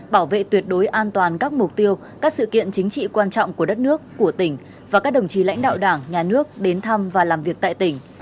bảo vệ tuyệt đối an toàn các mục tiêu các sự kiện chính trị quan trọng của đất nước của tỉnh và các đồng chí lãnh đạo đảng nhà nước đến thăm và làm việc tại tỉnh